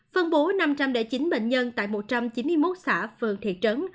phân bố năm trăm linh chín bệnh nhân tại một trăm chín mươi một xã phường thị trấn